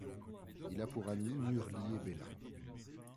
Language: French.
Il a pour amis Murli et Bela.